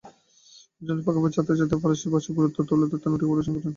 অনুষ্ঠানের ফাঁকে ফাঁকে ছাত্র-ছাত্রীরা ফরাসি ভাষার গুরুত্ব তুলে ধরতে নাটিকা পরিবেশন করেন।